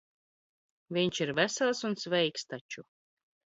Viņš ir vesels un sveiks taču.